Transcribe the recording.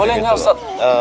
boleh gak ustadz